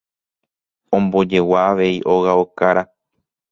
Ombojegua avei óga okára.